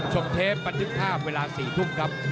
ช่วงเทปประดึกภาพเวลา๔ทุ่มครับ